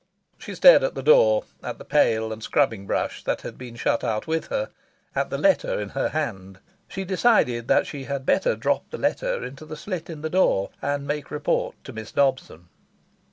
She stared at the door, at the pail and scrubbing brush that had been shut out with her, at the letter in her hand. She decided that she had better drop the letter into the slit in the door and make report to Miss Dobson.